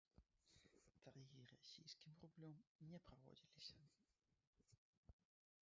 Таргі расійскім рублём не праводзіліся.